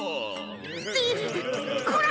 ってこら！